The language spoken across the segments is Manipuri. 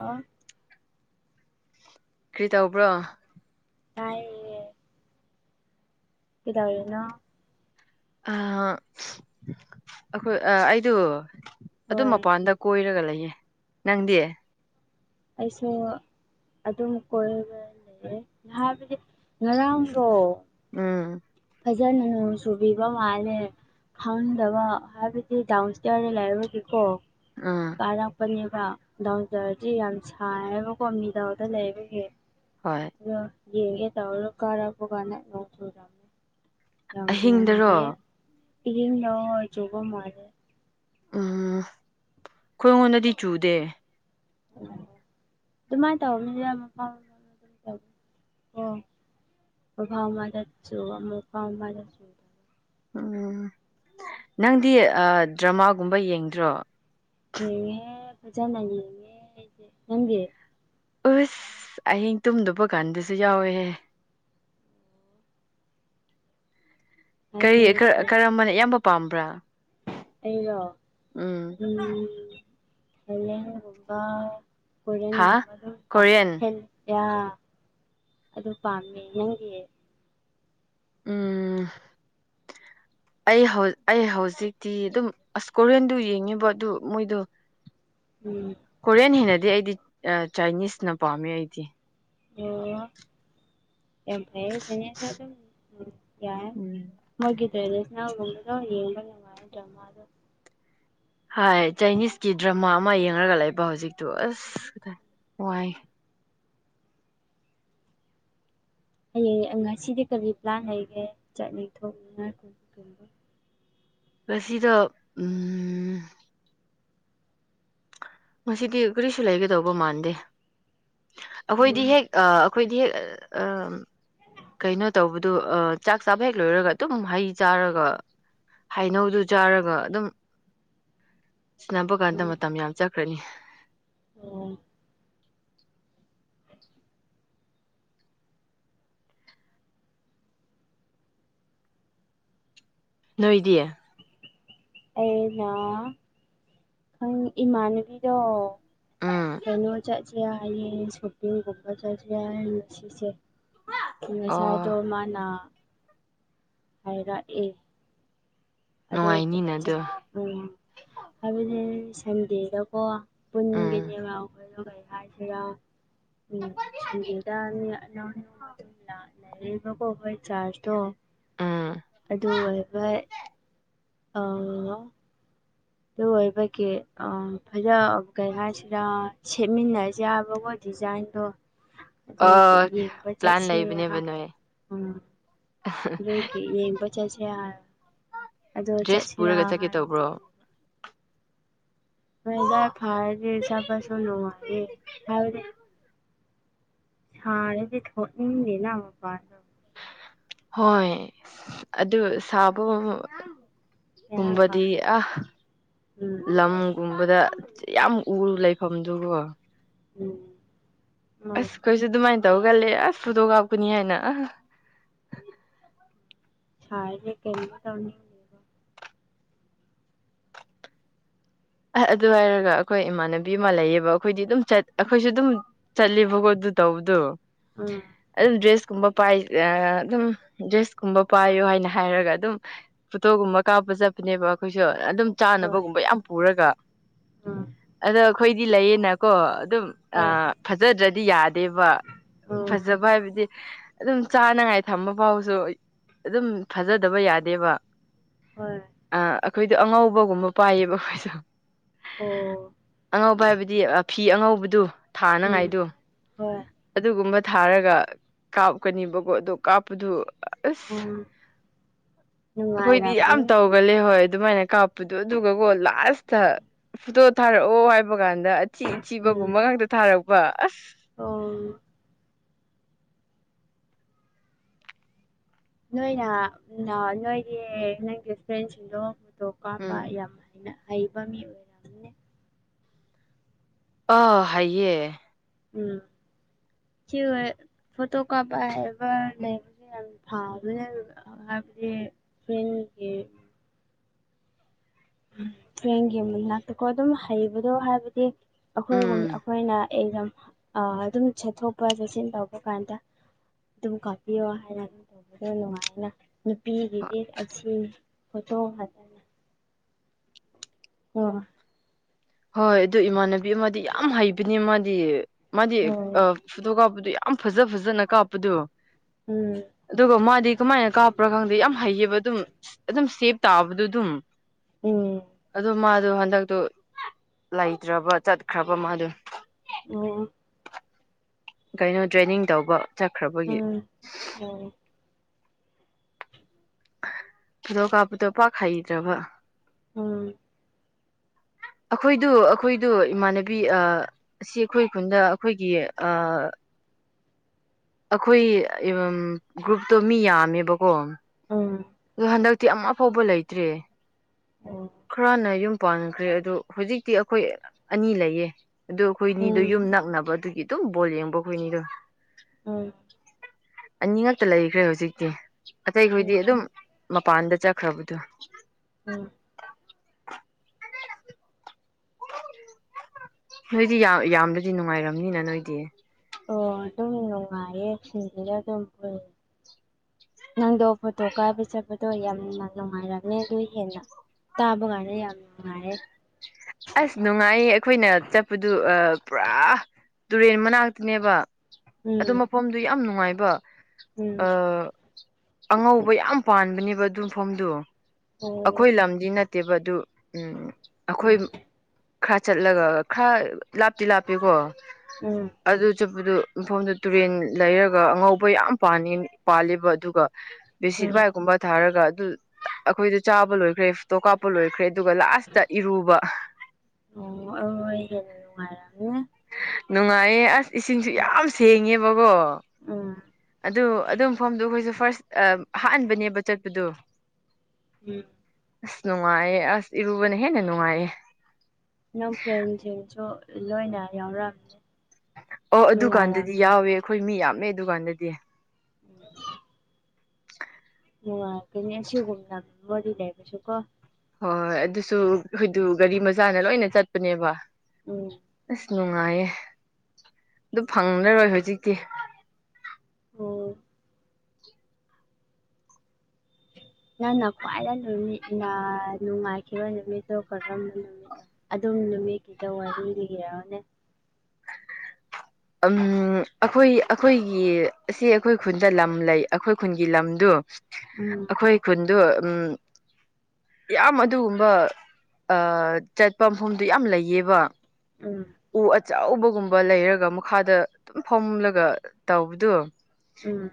ꯑꯥ ꯀꯔꯤ ꯇꯧꯕ꯭ꯔꯣ ꯇꯥꯏ ꯀꯗ ꯑꯣꯏꯔꯤꯅ ꯑꯩꯈꯣꯏ ꯑꯩꯗ ꯑꯗꯨꯝ ꯍꯣꯏ ꯃꯄꯥꯟꯗ ꯀꯣꯏꯔꯒ ꯂꯩꯌꯦ ꯅꯪꯗꯤ ꯑꯩꯁꯨ ꯑꯗꯨꯝ ꯀꯣꯏꯔꯒ ꯂꯩꯌꯦ ꯍꯥꯏꯕꯗꯤ ꯉꯔꯥꯡꯗꯣ ꯎꯝ ꯐꯖꯅ ꯅꯣꯡ ꯆꯨꯕꯤꯕ ꯃꯥꯜꯂꯦ ꯈꯪꯗꯕ ꯍꯥꯏꯕꯗꯤ ꯗꯥꯎꯟꯁꯇꯤꯌꯥꯔꯗ ꯂꯩꯕꯒꯤꯀꯣ ꯑ ꯀꯥꯔꯛꯄꯅꯦꯕ ꯗꯥꯎꯟ ꯁ꯭ꯇꯤꯌꯔꯗꯤ ꯌꯥꯝ ꯁꯥꯏꯕꯀꯣ ꯃꯤꯗꯜꯗ ꯂꯩꯕꯒꯤ ꯍꯣꯏ ꯑꯗꯨ ꯌꯦꯡꯒꯦ ꯇꯧꯔꯒ ꯀꯥꯔꯛꯄ ꯀꯥꯟꯗ ꯅꯣꯡ ꯆꯨꯔꯝ ꯌꯥꯝꯅ ꯑꯍꯤꯡꯗꯔꯣ ꯅꯨꯡꯉꯥꯏꯌꯪ [unintelligible] ꯅꯣꯡ ꯑꯣꯏ ꯆꯨꯕ ꯃꯥꯜꯂꯦ ꯎꯝ ꯑꯩꯈꯣꯏꯉꯣꯟꯗꯗꯤ ꯆꯨꯗꯦ [inaudible] ꯑꯗꯨꯃꯥꯏꯅ ꯇꯧꯕꯅꯤꯗ ꯃꯐꯝ ꯃꯐꯝ [inaudible] ꯃꯐꯝ ꯑꯃꯗ ꯆꯨꯕ ꯃꯐꯝ ꯑꯃꯗ ꯆꯨ ꯎꯝ ꯅꯪꯗꯤ ꯗ꯭ꯔꯃꯥꯒꯨꯝꯕ ꯌꯦꯡꯗ꯭ꯔꯣ ꯌꯦꯡꯉꯦ ꯐꯖꯅ ꯌꯦꯡꯉꯦ ꯑꯩꯗꯤ ꯅꯪꯗꯤ ꯎꯁ ꯑꯍꯤꯡ ꯇꯨꯝꯗꯕ ꯀꯥꯟꯗꯁꯨ ꯌꯥꯎꯋꯦꯍꯦ ꯀꯔꯤ ꯍꯥꯏꯁꯤꯅ ꯐꯩ ꯀꯔꯝꯕꯅ ꯏꯌꯥꯝꯕ ꯄꯥꯝꯕ꯭ꯔꯥ ꯑꯩꯔꯣ ꯎꯝ ꯊꯥꯏꯂꯦꯟꯒꯨꯝꯕ ꯍꯥ ꯀꯣꯔꯦꯟꯒꯨꯝꯕꯁꯨ ꯄꯥ ꯀꯣꯔꯤꯌꯟ [unintelligible] ꯌꯥ ꯑꯗꯨ ꯄꯥꯝꯃꯦ ꯅꯪꯗꯤ ꯎꯝ [unintelligible] ꯑꯩ ꯍꯧ ꯑꯩ ꯍꯧꯖꯤꯛꯇꯤ ꯑꯗꯨꯝ ꯑꯁ ꯀꯣꯔꯤꯌꯟꯗꯨ ꯌꯦꯡꯉꯦꯕ ꯑꯗꯨ ꯃꯣꯏꯗꯣ ꯎꯝ ꯀꯣꯔꯤꯌꯟ ꯍꯦꯟꯅꯗꯤ ꯑꯩꯗꯤ ꯆꯥꯏꯅꯤꯁꯅ ꯄꯥꯝꯃꯦ ꯑꯩꯗꯤ ꯑꯣ ꯌꯥꯝ ꯐꯩ ꯆꯥꯏꯅꯤꯁꯁꯨ ꯑꯗꯨꯝ ꯌꯥꯏ ꯎꯝ ꯃꯣꯏꯒꯤ [unintelligible] [unintelligible] ꯒꯨꯝꯕꯗꯣ ꯌꯦꯡꯕ ꯅꯨꯡꯉꯥꯏ ꯗ꯭ꯔꯃꯥꯗꯣ ꯍꯥꯏ ꯆꯥꯏꯅꯤꯁꯀꯤ ꯗ꯭ꯔꯃꯥ ꯑꯃ ꯌꯦꯡꯉꯒ ꯂꯩꯕ ꯍꯧꯖꯤꯛꯇꯣ ꯑꯁ ꯋꯥꯏ ꯍꯌꯦꯡ ꯉꯁꯤꯗꯤ ꯀꯔꯤ ꯄ꯭ꯂꯥꯟ ꯂꯩꯒꯦ ꯆꯠꯅꯤꯡ ꯊꯣꯡꯅꯤ ꯉꯥꯏ [inaudible] ꯉꯁꯤꯗꯣ ꯎꯝ ꯉꯁꯤꯗꯤ ꯀꯔꯤꯁꯨ ꯂꯩꯒꯗꯧꯕ ꯃꯥꯟꯗꯦ ꯑꯩꯈꯣꯏꯗꯤ ꯍꯦꯛ ꯑꯩꯈꯣꯏꯗꯤ ꯍꯦꯛ ꯀꯩꯅꯣ ꯇꯧꯕꯗꯣ ꯆꯥꯛ ꯆꯥꯕ ꯍꯦꯛ ꯂꯣꯏꯔꯒ ꯑꯗꯨꯝ ꯍꯩ ꯆꯥꯔꯒ ꯍꯩꯅꯧꯗꯨ ꯆꯥꯔꯒ ꯑꯗꯨꯝ [unintelligible] ꯁꯅꯥꯕ ꯀꯥꯟꯗ ꯃꯇꯝ ꯌꯥꯝ ꯆꯠꯈ꯭ꯔꯅꯤ ꯑꯣ ꯅꯣꯏꯗꯤ ꯑꯩꯅ [unintelligible] ꯏꯃꯥꯟꯅꯕꯤꯗꯣ ꯎꯝ ꯀꯩꯅꯣ ꯆꯠꯁꯦ ꯍꯥꯏꯌꯦ ꯁꯣꯄꯤꯡꯒꯨꯝꯕ ꯆꯠꯁꯦ ꯍꯥꯏꯌꯦ ꯉꯁꯤꯁꯦ ꯑꯣ ꯉꯁꯥꯏꯗꯣ ꯃꯥꯅ ꯍꯥꯏꯔꯛꯑꯦ ꯑꯗꯨ ꯅꯨꯡꯉꯥꯏꯅꯤꯅ ꯑꯗꯨ ꯎꯝ ꯑꯗꯨꯅꯦ ꯁꯟꯗꯦꯗꯀꯣ ꯎꯝ ꯄꯨꯟꯒꯅꯤ [unintelligible] ꯀꯩ ꯍꯥꯏꯁꯤꯔ [unintelligible] ꯑꯅꯧ ꯑꯅꯧꯕ ꯑꯗꯨꯝ ꯂꯥꯛ ꯔꯦ ꯕꯀꯣ ꯃꯣꯏ ꯆꯥꯖꯇꯣ ꯎꯝ ꯑꯗꯨ ꯑꯣꯏꯕꯩ ꯑ ꯑꯗꯨ ꯑꯣꯏꯕꯒꯤ ꯐꯖ ꯀꯩ ꯍꯥꯏꯁꯤꯔꯥ ꯁꯦꯠꯃꯤꯟꯅꯁꯦ ꯍꯥꯏꯕ ꯗꯤꯖꯥꯏꯟꯗꯣ ꯑꯗꯨ ꯑ ꯌꯦꯡꯕ ꯄ꯭ꯂꯥꯟ ꯆꯠꯁꯦ ꯂꯩꯕꯅꯦꯕ ꯍꯥꯏ ꯅꯣꯏ ꯎꯝ ꯂꯣꯏꯒꯤ ꯌꯦꯡꯕ ꯆꯠꯁꯤꯔ ꯍꯥꯏ ꯑꯗꯣ ꯗ꯭ꯔꯦꯁ ꯆꯠꯁꯤꯔꯥ ꯄꯨꯔꯒ ꯆꯠꯀꯦ ꯍꯥꯏꯗ ꯇꯧꯕ꯭ꯔꯣ ꯃꯣꯏꯗ ꯐꯔꯗꯤ ꯆꯠꯄꯁꯨ ꯅꯨꯡꯉꯥꯏꯌꯦ ꯍꯥꯏꯕꯗꯤ ꯁꯥꯔꯗꯤ ꯊꯣꯛꯅꯤꯡꯗꯦꯅ ꯃꯄꯥꯟꯒ ꯍꯣꯏ ꯑꯗꯨ ꯁꯥꯕ ꯀꯩ ꯍꯥꯏꯕ ꯀꯨꯝꯕꯗꯤ ꯑ ꯎꯝ ꯂꯝ ꯒꯧꯨꯝꯕꯗ ꯌꯥꯝ ꯎꯔ ꯂꯩꯐꯝꯗꯨꯒꯣ ꯎꯝ ꯍꯣꯏ ꯑꯁ ꯑꯩꯈꯣꯏꯁꯨ ꯑꯗꯨꯃꯥꯏꯅ ꯇꯧꯒꯜꯂꯦ ꯑꯁ ꯐꯣꯇꯣ ꯀꯥꯞꯀꯅꯤ ꯍꯥꯏꯅ [unintelligible] ꯑ ꯑꯗꯨ ꯍꯥꯏꯔꯒ ꯑꯩꯈꯣꯏ ꯏꯃꯥꯟꯅꯕꯤ ꯑꯃ ꯂꯩꯌꯦꯕ ꯑꯩꯈꯣꯏꯗꯤ ꯑꯗꯨꯝ ꯆꯠ ꯑꯩꯈꯣꯏꯁꯨ ꯑꯗꯨꯝ ꯆꯠꯂꯤ ꯕꯀꯣ ꯑꯗꯨ ꯇꯧꯕꯗꯨ ꯑꯝ ꯑꯗꯨꯝ ꯗ꯭ꯔꯦꯁ ꯀꯨꯝꯕ ꯄꯥꯏ ꯑꯗꯨꯝ ꯗ꯭ꯔꯦꯁ ꯀꯨꯝꯕ ꯄꯥꯏꯌꯣ ꯍꯥꯏꯅ ꯍꯥꯏꯔꯒ ꯑꯗꯨꯝ ꯐꯣꯇꯣꯒꯨꯝꯕ ꯀꯥꯞꯄ ꯆꯠꯄꯅꯦꯕ ꯑꯩꯈꯣꯏꯁꯨ ꯑꯗꯨꯝ ꯍꯣꯏ ꯆꯥꯅꯕꯒꯨꯝꯕ ꯌꯥꯝ ꯄꯨꯔꯒ ꯎꯝ ꯑꯗ ꯑꯩꯈꯣꯏꯗꯤ ꯂꯩꯌꯦꯅꯀꯣ ꯑꯗꯨꯝ ꯍꯣꯏ ꯑꯥ ꯐꯖꯗ꯭ꯔꯗꯤ ꯌꯥꯗꯦꯕ ꯎꯝ ꯐꯖꯕ ꯍꯥꯏꯕꯗꯤ ꯑꯗꯨꯝ ꯆꯥꯅꯉꯥꯏ ꯊꯝꯕ ꯐꯥꯎꯁꯨ ꯑꯗꯨꯝ ꯐꯖꯗꯕ ꯌꯥꯗꯦꯕ ꯍꯣꯏ ꯑ ꯑꯩꯈꯣꯏꯗꯣ ꯑꯉꯧꯕꯒꯨꯝꯕ ꯄꯥꯏꯌꯦꯕ ꯑꯩꯈꯣꯏꯁꯨ ꯑꯣ ꯑꯉꯧꯕ ꯍꯥꯏꯕꯗꯤ ꯐꯤ ꯑꯉꯧꯕꯗꯨ ꯎꯝ ꯊꯥꯅꯉꯥꯏꯗꯨ ꯍꯣꯏ ꯑꯗꯨꯒꯨꯝꯕ ꯊꯥꯔꯒ ꯀꯥꯞꯀꯅꯤꯕꯀꯣ ꯑꯗꯣ ꯀꯥꯞꯄꯗꯨ ꯑꯁ ꯎꯝ ꯑꯩꯈꯣꯏꯗꯤ ꯌꯥꯝ ꯅꯨꯡꯉꯥꯏꯔꯝꯅꯤ ꯇꯧꯒꯂꯦ ꯍꯣꯏ ꯑꯗꯨꯃꯥꯏꯅ ꯀꯥꯞꯄꯗꯣ ꯑꯗꯨꯒꯀꯣ ꯂꯥꯁꯇ ꯐꯨꯇꯣ ꯊꯥꯔꯛꯑꯣ ꯍꯥꯏꯕ ꯀꯥꯟꯗ ꯎꯝ ꯑꯊꯤꯊꯤꯕꯒꯨꯝꯕ ꯉꯥꯛꯇ ꯊꯥꯔꯛꯄ ꯑꯁ ꯑꯣ ꯅꯣꯏ ꯅ ꯑꯥ ꯅꯣꯏꯒꯤ ꯅꯪꯒꯤ ꯐ꯭ꯔꯦꯟꯁꯤꯡꯗꯣ ꯐꯣꯇꯣ ꯀꯥꯞꯄ ꯎꯝ ꯌꯥꯝ ꯍꯩ ꯅ ꯍꯩꯕ ꯃꯤ ꯑꯣꯢ ꯎꯅꯦ ꯑ ꯍꯥꯏꯌꯦ ꯎꯝ [unintelligible] ꯍꯥꯏꯕꯗꯤ ꯐ꯭ꯔꯦꯟꯒꯤ ꯇ꯭ꯔꯦꯟꯒꯤ ꯃꯅꯥꯛꯇꯀꯣ ꯑꯗꯨꯝ ꯍꯩꯕꯗꯣ ꯍꯥꯏꯕꯗꯤ ꯑꯩꯈꯣꯏꯒꯨꯝ ꯎꯝ ꯑꯩꯈꯣꯏꯅ ꯑꯦꯖꯝ ꯑꯗꯨꯝ ꯆꯠꯊꯣꯛꯄ ꯆꯠꯁꯤꯟ ꯇꯧꯕ ꯀꯥꯟꯗ ꯑꯗꯨꯝ ꯀꯥꯞꯄꯤꯌꯣ ꯍꯥꯏꯔ ꯈꯔ ꯅꯨꯡꯉꯥꯏꯅ ꯍꯣꯏ ꯅꯨꯄꯤꯒꯤꯗꯤ ꯑꯁꯤ ꯐꯣꯇꯣ ꯍꯥꯏ ꯑꯣ ꯍꯣꯏ ꯑꯗꯨ ꯏꯃꯥꯟꯅꯕꯤ ꯑꯃꯗꯤ ꯌꯥꯝ ꯍꯩꯕꯅꯤ ꯃꯥꯗꯤ ꯃꯥꯗꯤ ꯑꯣ ꯐꯣꯇꯣ ꯀꯥꯞꯄꯗꯨ ꯌꯥꯝ ꯐꯖ ꯐꯖꯅ ꯀꯥꯞꯄꯗꯣ ꯎꯝ ꯑꯗꯨꯒ ꯃꯥꯗꯤ ꯀꯃꯥꯏꯅ ꯀꯥꯞꯄ꯭ꯔꯥ ꯈꯪꯗꯦ ꯌꯥꯝ ꯍꯩꯌꯦꯕ ꯑꯗꯨꯝ ꯑꯗꯨꯝ ꯁꯦꯞ ꯇꯥꯕꯗꯣ ꯑꯗꯨꯝ ꯎꯝ ꯑꯗꯣ ꯃꯥꯗꯣ ꯍꯟꯗꯛꯇꯣ ꯂꯩꯇ꯭ꯔꯕ ꯆꯠꯈ꯭ꯔꯕ ꯃꯥꯗꯣ ꯑꯣ ꯀꯩꯅꯣ ꯇ꯭ꯔꯦꯅꯤꯡ ꯇꯧꯕ ꯆꯠꯈ꯭ꯔꯕꯒꯤ ꯑ ꯐꯣꯇꯣ ꯀꯥꯞꯄꯗꯣ ꯄꯥꯛ ꯍꯩꯇ꯭ꯔꯕ ꯎꯝ ꯑꯩꯈꯣꯏꯗꯨ ꯑꯩꯈꯣꯏꯗꯨ ꯏꯃꯥꯟꯅꯕꯤ ꯑꯥ ꯑꯁꯤ ꯑꯩꯈꯣꯏ ꯈꯨꯟꯗ ꯑꯩꯈꯣꯏꯒꯤ ꯑ ꯑꯩꯈꯣꯏ ꯒ꯭ꯔꯨꯞꯇꯣ ꯃꯤ ꯌꯥꯝꯃꯦꯕꯀꯣ ꯑꯥ ꯑꯗꯣ ꯍꯟꯗꯛꯇꯤ ꯑꯃꯨꯛ ꯑꯐꯥꯎꯕ ꯂꯩꯇ꯭ꯔꯦ ꯎꯝ ꯈꯔꯅ ꯌꯨꯝ ꯄꯥꯟꯈ꯭ꯔꯦ ꯑꯗꯣ ꯍꯧꯖꯤꯛꯇꯤ ꯑꯩꯈꯣꯏ ꯑꯅꯤ ꯂꯩꯌꯦ ꯑꯗꯣ ꯑꯩꯈꯣꯏꯅꯤꯗꯣ ꯌꯨꯝ ꯅꯛꯅꯕ ꯑꯗꯨꯒꯤ ꯑꯗꯨꯝ ꯕꯣꯜ ꯌꯦꯡꯕ ꯑꯩꯈꯣꯏꯅꯤꯗꯣ ꯎꯝ ꯑꯅꯤꯉꯛꯇ ꯂꯩꯈ꯭ꯔꯦ ꯍꯧꯖꯤꯛꯇꯤ ꯎꯝ ꯑꯇꯩꯈꯣꯏꯗꯤ ꯑꯗꯨꯝ ꯃꯄꯥꯟꯗ ꯆꯠꯈ꯭ꯔꯕꯗꯨ ꯎꯝ [inaudible] ꯅꯣꯏꯗꯤ ꯌꯥꯝ ꯌꯥꯝꯅꯗꯤ ꯅꯨꯡꯉꯥꯏꯔꯝꯅꯤꯅ ꯅꯣꯏꯗꯤ ꯑꯣ ꯑꯗꯨꯝ ꯅꯨꯡꯉꯥꯏꯌꯦ ꯁꯤꯡꯁꯤꯗ ꯑꯗꯨꯝ ꯐ ꯅꯪꯗꯣ ꯊꯀꯥꯕꯤ ꯁ ꯑꯗꯣ ꯌꯥꯝꯅ ꯅꯨꯡꯉꯥꯏꯔꯝꯅꯦ ꯑꯗꯨꯗ ꯍꯦꯟꯅ ꯇꯥꯕ ꯀꯥꯟꯗ ꯌꯥꯝ ꯅꯨꯡꯉꯥꯏꯔꯦ ꯑꯁ ꯅꯨꯡꯉꯥꯏꯌꯦ ꯑꯩꯈꯣꯏꯅ ꯆꯠꯄꯗꯨ ꯄꯨꯔꯥ ꯇꯨꯔꯦꯟ ꯃꯅꯥꯛꯇꯅꯦꯕ ꯑꯗꯨ ꯎꯝ ꯃꯐꯝꯗꯨ ꯌꯥꯝ ꯅꯨꯡꯉꯥꯏꯕ ꯎꯝ ꯑ ꯑꯉꯧꯕ ꯌꯥꯝ ꯄꯥꯟꯕꯅꯦꯕ ꯑꯗꯨꯐꯝꯗꯨ ꯑꯣ ꯑꯩꯈꯣꯏ ꯂꯝꯗꯤ ꯅꯠꯇꯦꯕ ꯑꯗꯨ ꯎ ꯑꯩꯈꯣꯏ ꯎꯝ ꯈꯔ ꯆꯠꯂꯒ ꯈꯔ ꯂꯥꯞꯇꯤ ꯂꯥꯞꯄꯤꯀꯣ ꯎꯝ ꯑꯗꯨ ꯆꯠꯄꯗꯨ ꯃꯐꯝꯗꯨ ꯇꯨꯔꯦꯟ ꯂꯩꯔꯒ ꯑꯉꯧꯕ ꯌꯥꯝ ꯄꯥꯅꯤ ꯄꯥꯜꯂꯤꯕ ꯑꯗꯨꯒ [inaudible] ꯕꯦꯁꯤ ꯏꯕꯥꯏ ꯀꯨꯝꯕ ꯊꯥꯔꯒ ꯑꯗꯨ ꯑꯩꯈꯣꯏꯗ ꯆꯥꯕ ꯂꯣꯏꯈ꯭ꯔꯦ ꯇꯣ ꯀꯥꯞꯄ ꯂꯣꯏꯈ꯭ꯔꯦ ꯑꯗꯨꯒ ꯂꯥꯁꯇ ꯏꯔꯨꯕ ꯑꯣ ꯑ ꯑꯩꯗ ꯅꯨꯡꯉꯥꯏꯔꯝꯦ ꯅꯨꯡꯉꯥꯏꯌꯦ ꯑꯁ ꯏꯁꯤꯡꯁꯨ ꯌꯥꯝ ꯁꯦꯡꯉꯦꯕꯀꯣ ꯎꯝ ꯑꯗꯨ ꯑꯗꯨ ꯃꯐꯝꯗ ꯑꯩꯈꯣꯏꯁꯨ ꯐꯥꯔꯁ ꯑ ꯍꯥꯥꯟꯕꯅꯦꯕ ꯆꯠꯄꯗꯣ ꯎꯝ ꯑꯁ ꯅꯨꯡꯉꯥꯏꯌꯦ ꯑꯁ ꯏꯔꯨꯕꯅ ꯍꯦꯟꯅ ꯅꯨꯡꯉꯥꯏꯌꯦ ꯅꯪ ꯐ꯭ꯔꯦꯟꯁꯤꯡꯁꯨ ꯂꯣꯏꯅ ꯌꯥꯎꯔꯝꯃꯤ ꯑꯣ ꯑꯗꯨꯀꯥꯟꯗꯗꯤ ꯌꯥꯎꯋꯦ ꯑꯩꯈꯣꯏ ꯃꯤ ꯌꯥꯝꯃꯦ ꯑꯗꯨꯀꯥꯟꯗꯗꯤ [inaudible] ꯃꯅꯨꯡꯉ ꯀꯅꯤ ꯑꯁꯤꯒꯨꯝꯅ ꯃꯔꯤ ꯂꯩꯕꯁꯨ ꯀꯣ ꯍꯣꯏ ꯍꯣꯏ ꯑꯗꯨꯁꯨ ꯑꯩꯣꯏꯗꯨ ꯒꯥꯔꯤ ꯃꯆꯥꯅ ꯂꯣꯏꯅ ꯆꯠꯄꯅꯦꯕ ꯎꯝ ꯑꯁ ꯅꯨꯡꯉꯥꯏꯌꯦ ꯑꯗꯨ ꯐꯪꯅꯔꯣꯏ ꯍꯧꯖꯤꯛꯇꯤ ꯑꯣ ꯅꯪꯟꯅ ꯈ꯭ꯋꯥꯏꯗ ꯅꯨꯃꯤꯠ ꯅꯨꯡꯉꯥꯏꯈꯤꯕ ꯅꯨꯃꯤꯠꯇꯣ ꯀꯔꯝꯕ ꯅꯨꯃꯤꯠ ꯑꯗꯨꯝ ꯅꯨꯃꯤꯠꯀꯤꯗ ꯋꯥꯔꯤ ꯂꯤꯔꯛꯑꯣꯅꯦ ꯑꯩꯈꯣꯏ ꯑꯩꯈꯣꯏꯒꯤ ꯑꯁꯤ ꯑꯩꯈꯣꯏ ꯈꯨꯟꯗ ꯂꯝ ꯂꯩ ꯑꯩꯈꯣꯏ ꯈꯨꯟꯒꯤ ꯂꯝꯗꯨ ꯎꯝ ꯑꯩꯈꯣꯏ ꯈꯨꯟꯗꯣ ꯎꯝ ꯌꯥꯝ ꯑꯗꯨꯒꯨꯝꯕ ꯆꯠꯄ ꯃꯐꯝꯗꯨ ꯌꯥꯝ ꯂꯩꯌꯦꯕ ꯎꯝ ꯎ ꯑꯆꯕꯒꯨꯝꯕ ꯂꯩꯔꯒ ꯃꯈꯥꯗ ꯑꯗꯨꯝ ꯐꯣꯝꯂꯒ ꯇꯧꯕꯗꯣ ꯎꯝ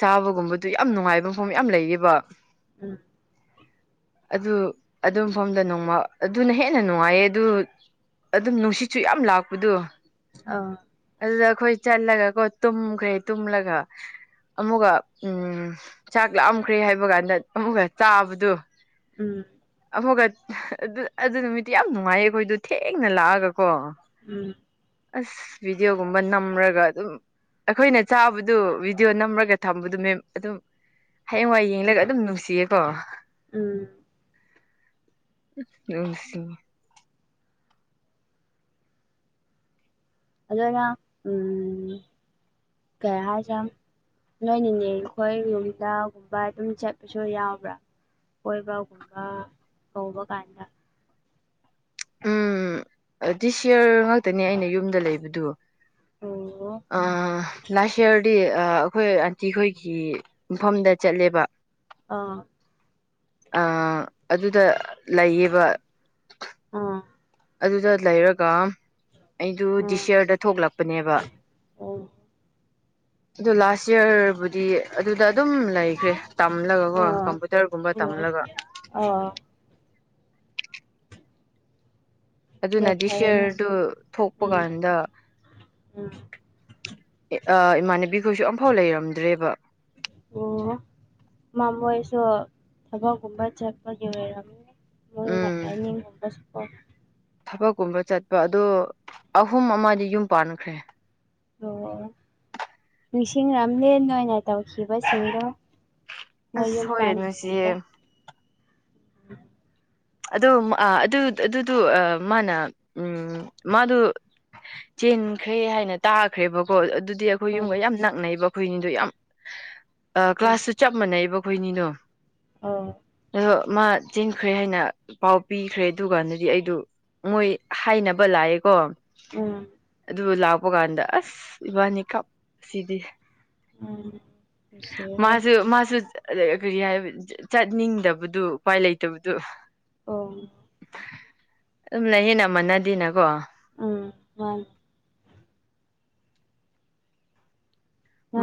ꯆꯥꯕꯒꯨꯝꯕꯗꯨ ꯌꯥꯝ ꯅꯨꯡꯉꯥꯏꯕ ꯃꯐꯝ ꯌꯥꯝ ꯂꯩꯌꯦꯕ ꯎꯝ ꯑꯗꯨ ꯑꯗꯨ ꯃꯐꯝꯐꯝꯗ ꯅꯣꯡꯃ ꯑꯗꯨꯅ ꯍꯦꯟꯅ ꯅꯨꯡꯉꯥꯏꯌꯦ ꯑꯗꯨ ꯑꯗꯨꯝ ꯅꯨꯡꯁꯤꯠ ꯁꯨ ꯌꯥꯝ ꯂꯥꯛꯄꯗꯨ ꯑ ꯑꯗꯨꯗ ꯑꯩꯈꯣꯏ ꯆꯠꯂꯒ ꯀꯣ ꯇꯨꯝꯈ꯭ꯔꯦ ꯇꯨꯝꯂꯒ ꯑꯃꯨꯛꯒ ꯎꯝ ꯆꯥꯛ ꯂꯥꯝꯈ꯭ꯔꯦ ꯍꯥꯏꯕ ꯀꯥꯟꯗ ꯑꯃꯨꯛꯒ ꯆꯥꯕꯗꯨ ꯎꯝ ꯑꯃꯨꯛꯒ ꯑꯗꯨ ꯑꯗꯨ ꯅꯨꯃꯤꯠꯇꯨ ꯌꯥꯝ ꯅꯨꯡꯉꯥꯏꯌꯦ ꯑꯩꯈꯣꯏꯗꯣ ꯊꯦꯡꯅ ꯂꯥꯛꯑꯒꯀꯣ ꯎꯝ ꯑꯁ ꯚꯤꯗꯤꯑꯣꯒꯨꯝꯕ ꯅꯝꯔꯒ ꯑꯗꯨꯝ ꯑꯩꯈꯣꯏꯅ ꯆꯥꯕꯗꯨ ꯚꯤꯗꯤꯑꯣ ꯅꯝꯔꯒ ꯊꯝꯕꯗꯨ ꯃꯦꯝ ꯑꯗꯨꯝ ꯍꯌꯦꯡꯋꯥꯏ ꯌꯦꯡꯂꯒ ꯎꯝ ꯑꯗꯨꯝ ꯅꯨꯡꯁꯤꯌꯦꯀꯣ ꯎꯝ ꯅꯨꯡꯁꯤ ꯑꯗꯨꯅ ꯎꯝ ꯀꯩ ꯍꯥꯏꯁꯦ ꯅꯣꯏ ꯅꯤꯅꯦꯈꯣꯏ ꯅꯨꯡꯃꯤꯗꯥꯡꯒꯨꯝꯕ ꯑꯗꯨꯝ ꯆꯠꯄꯁꯨ ꯌꯥꯎꯕ꯭ꯔꯥ ꯀꯣꯏꯕꯒꯨꯝꯕ ꯀꯧꯕ ꯀꯥꯟꯗ ꯎꯝ ꯗꯤꯁ ꯌꯔ ꯉꯥꯛꯇꯅꯦ ꯑꯩꯅ ꯌꯨꯝꯗ ꯂꯩꯕꯗꯨ ꯑꯣ ꯑ ꯂꯥꯁ ꯏꯌꯥꯔꯗꯤ ꯑ ꯑꯩꯈꯣꯏ ꯑꯟꯇꯤꯈꯣꯏꯒꯤ ꯃꯐꯝꯗ ꯆꯠꯂꯦꯕ ꯑꯥ ꯑꯥ ꯑꯗꯨꯗ ꯂꯩꯌꯦꯕ ꯑꯥ ꯑꯗꯨꯗ ꯂꯩꯔꯒ ꯑꯩꯗꯨ ꯑꯥ ꯗꯤꯁ ꯏꯌꯔꯗ ꯊꯣꯛꯂꯛꯄꯅꯦꯕ ꯑꯣ ꯑꯗꯨ ꯂꯥꯁ ꯏꯌꯔꯕꯨꯠ ꯗꯤ ꯑꯗꯨꯗ ꯑꯗꯨꯝ ꯂꯩꯈ꯭ꯔꯦ ꯇꯝꯂꯒꯀꯣ ꯀꯝꯄꯨꯇꯔꯒꯨꯝꯕ ꯇꯝꯂꯒ ꯑ ꯌꯥꯝ ꯑꯗꯨꯅꯗꯤ ꯐꯩꯌꯦꯅꯦ ꯁꯤꯌꯔꯗꯨ ꯊꯣꯛꯄ ꯎꯝ ꯀꯥꯟꯗ ꯎꯝ ꯑ ꯏꯃꯥꯟꯅꯕꯤꯈꯣꯏꯁꯨ ꯑꯝꯐꯥꯎ ꯂꯩꯔꯝꯗ꯭ꯔꯦꯕ ꯑꯣ ꯃꯃꯣꯏꯁꯨ ꯊꯕꯛꯒꯨꯝꯕ ꯆꯠꯄꯒꯤ ꯑꯣꯏꯔꯝꯅꯤ ꯃꯣꯏꯅ ꯎꯝ ꯀꯥꯏꯅꯤꯡꯒꯨꯝꯕ [unintelligible] ꯊꯕꯛꯀꯨꯝꯕ ꯆꯠꯄ ꯑꯗꯣ ꯑꯍꯨꯝ ꯑꯃꯗꯤ ꯌꯨꯝ ꯄꯥꯟꯈ꯭ꯔꯦ ꯑꯣ ꯅꯤꯡꯁꯤꯡꯔꯝꯅꯦ ꯅꯣꯏꯅ ꯇꯧꯈꯤꯕꯁꯤꯡꯗꯣ ꯃꯣꯏ ꯑꯁ ꯌꯨꯝ ꯍꯣꯏ ꯄꯥꯟꯗ꯭ꯔꯤꯉꯩꯗ ꯅꯨꯡꯁꯤꯌꯦ [unintelligible] ꯑꯗꯨ ꯑꯥ ꯑꯗꯨ ꯑꯗꯨꯗꯨ ꯑ ꯃꯥꯅ ꯎꯝ ꯃꯥꯗꯨ ꯆꯦꯟꯈ꯭ꯔꯦ ꯍꯥꯏꯅ ꯇꯥꯈ꯭ꯔꯦꯕꯀꯣ ꯑꯗꯨꯗꯤ ꯑꯩꯈꯣꯏ ꯎꯝ ꯌꯨꯝꯒ ꯌꯥꯝ ꯅꯛꯅꯩꯕ ꯑꯩꯈꯣꯏꯅꯤꯗꯣ ꯌꯥꯝ ꯑ ꯎꯝ ꯀ꯭ꯂꯥꯁꯁꯨ ꯆꯞ ꯃꯥꯟꯅꯩꯕ ꯑꯩꯈꯣꯏꯅꯤꯗꯣ ꯑꯥ ꯑꯗꯣ ꯃꯥ ꯆꯦꯟꯈ꯭ꯔꯦ ꯍꯥꯏꯅ ꯄꯥꯎ ꯄꯤꯈ꯭ꯔꯦ ꯑꯗꯨꯒꯥꯟꯗꯗꯤ ꯑꯩꯗꯨ ꯃꯣꯏ ꯍꯥꯏꯅꯕ ꯂꯥꯛꯑꯦꯀꯣ ꯎꯝ ꯑꯗꯨꯒ ꯂꯥꯛꯄ ꯀꯥꯟꯗ ꯑꯁ ꯏꯕꯥꯅꯤ ꯀꯞ ꯁꯤꯗꯤ ꯎꯝ ꯅꯨꯡꯁꯤꯍꯦ ꯃꯥꯁꯨ ꯃꯥꯁꯨ ꯀꯔꯤ ꯍꯥꯏ ꯆꯠꯅꯤꯡꯗꯕꯗꯨ ꯎꯄꯥꯏ ꯂꯩꯇꯕꯗꯨ ꯑꯣꯡ ꯑꯗꯨꯝ ꯂꯩꯌꯦꯅꯥ ꯃꯥꯟꯅꯗꯦꯅꯀꯣ ꯎꯝ ꯃꯥꯅꯤ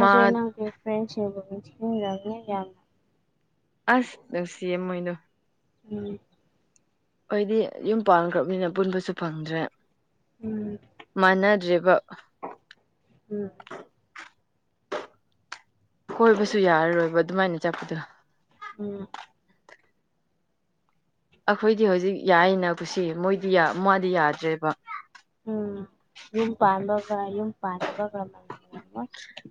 ꯃꯥ ꯅꯪꯒꯤ ꯐ꯭ꯔꯦꯟꯁꯤꯡꯕꯨ ꯅꯤꯡꯁꯤꯡꯔꯝꯅꯤ ꯌꯥꯝ ꯑꯁ ꯅꯨꯡꯁꯤꯌꯦ ꯃꯣꯏꯅꯣ ꯎꯝ ꯑꯣꯏꯗꯤ ꯌꯨꯝꯄꯥꯟ ꯭ꯔꯕꯅꯤꯅ ꯄꯨꯟꯕꯁꯨ ꯐꯪꯗ꯭ꯔꯦ ꯎꯝ ꯃꯥꯟꯅꯗ꯭ꯔꯦꯔꯤꯕ ꯎꯝ ꯀꯣꯏꯕꯁꯨ ꯌꯥꯔꯔꯣꯏꯕ ꯑꯗꯨꯃꯥꯏꯅ ꯆꯠꯄꯗꯣ ꯎꯝ ꯑꯩꯈꯣꯏꯗꯤ ꯍꯧꯖꯤꯛ ꯌꯥꯏꯅ ꯀꯁꯤ ꯃꯣꯏꯗꯤ ꯃꯥꯗꯤ ꯌꯥꯗ꯭ꯔꯦꯕ ꯎꯝ ꯌꯨꯝ ꯄꯥꯝꯕꯒ ꯌꯨꯝ ꯄꯥꯖꯕ ꯀꯣ ꯎ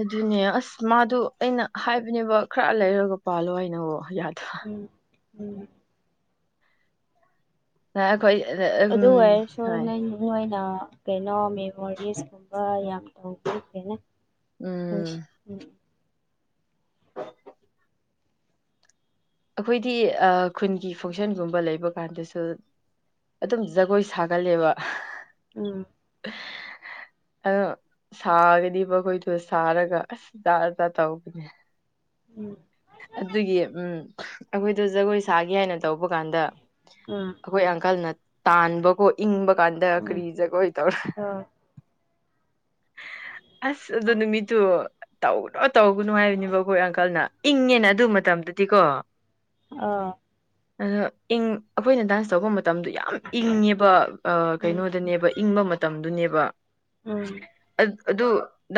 ꯑꯗꯨꯅꯦ ꯑꯁ ꯃꯥꯗꯣ ꯑꯩꯅ ꯍꯥꯏꯕꯅꯦꯕ ꯈꯔ ꯂꯩꯔꯒ ꯄꯥꯜꯂꯣ ꯍꯥꯏꯅ ꯌꯥꯗ꯭ꯔ ꯎꯝ ꯎꯝ ꯑꯈꯣꯏ ꯑꯗꯨ ꯑꯣꯏꯔꯁꯨꯅ ꯃꯅ ꯀꯩꯅꯣ ꯃꯦꯃꯣꯔꯤꯁꯀꯨꯝꯕ ꯌꯥꯝ ꯇꯧꯏ ꯍꯥꯏꯅ ꯍ ꯎꯝ ꯑꯩꯈꯣꯏꯗꯤ ꯈꯨꯟꯒꯤ ꯐꯪꯁꯟꯒꯨꯝꯕ ꯂꯩꯕ ꯀꯥꯟꯗꯁꯨ ꯑꯗꯨꯝ ꯖꯒꯣꯏ ꯁꯥꯒꯠꯂꯦꯕ ꯑꯥ ꯑꯗꯣ ꯁꯥꯔꯒꯗꯤ ꯃꯈꯣꯏꯗꯨ ꯁꯥꯔꯒ ꯑꯁ ꯖꯥꯖꯥ ꯇꯧꯕꯅꯦ ꯎꯝ ꯑꯗꯨꯒꯤ ꯎꯝ ꯑꯩꯈꯣꯏꯗ ꯖꯒꯣꯏ ꯁꯥꯒꯦ ꯍꯥꯏꯅ ꯇꯧꯕ ꯀꯥꯟꯗ ꯎ ꯑꯩꯈꯣꯏ ꯑꯪꯀꯜꯅ ꯇꯥꯟꯕꯀꯣ ꯏꯪꯕ ꯀꯥꯟꯗ ꯎꯝ ꯀꯔꯤ ꯖꯒꯣꯏ ꯇꯧꯔ ꯑꯥ ꯑꯁ ꯑꯗꯨ ꯑꯗꯨꯅꯃꯤꯠꯇꯨ ꯇꯧ꯭ꯔꯣ ꯇꯧꯒꯅꯨ ꯍꯥꯏꯕꯅꯦꯕ ꯑꯩꯈꯣꯏ ꯑꯪꯀꯜꯅ ꯏꯪꯉꯦꯅ ꯑꯗꯨ ꯃꯇꯝꯗꯗꯤꯀꯣ ꯑꯥ ꯑꯗꯣ ꯏꯪ ꯑꯩꯈꯣꯏꯅ ꯗꯥꯟꯁ ꯇꯧꯕ ꯃꯇꯝꯗꯨ ꯌꯥꯝ ꯌꯥꯝ ꯏꯪꯉꯦꯕ ꯎꯝ ꯀꯩꯅꯣꯗꯅꯦꯕ ꯏꯪꯕ ꯃꯇꯝꯗꯨꯅꯦꯕ ꯎꯝ ꯑꯗꯨ ꯑꯗꯨ